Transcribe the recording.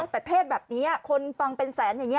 แต่เทศแบบนี้คนฟังเป็นแสนอย่างนี้